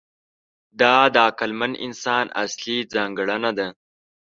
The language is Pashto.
دا د عقلمن انسان اصلي ځانګړنه ده.